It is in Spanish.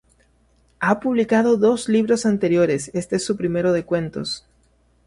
Ha publicado dos libros anteriores, este es su primero de cuentos.